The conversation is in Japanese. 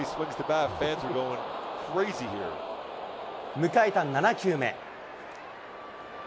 迎えた７球目。